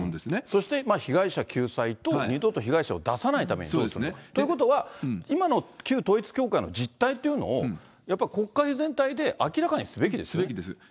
そして、被害者救済と二度と被害者を出さないためにどうするかということは、今の旧統一教会の実態というのを、やっぱり国会全体で明らかにすべきですよね。